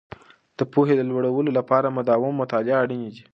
د پوهې د لوړولو لپاره مداوم مطالعه اړینې دي.